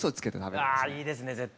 あいいですね絶対。